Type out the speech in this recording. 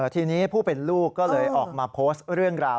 ทีนี้ผู้เป็นลูกก็เลยออกมาโพสต์เรื่องราว